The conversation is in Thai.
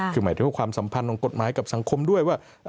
คือหมายถึงความสัมพันธ์ของกฎหมายกับสังคมด้วยว่า